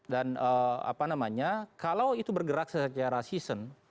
dan apa namanya kalau itu bergerak secara season